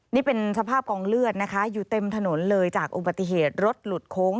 นี่เป็นสภาพกองเลือดนะคะอยู่เต็มถนนเลยจากอุบัติเหตุรถหลุดโค้ง